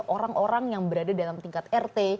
orang orang yang berada dalam tingkat rt